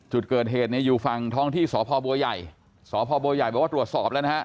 จุดเกิดเหตุอยู่ฝั่งท้องที่สภบัวยัยบอกว่าตรวจสอบแล้วนะฮะ